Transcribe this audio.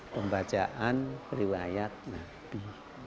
pembacaan riwayat nabi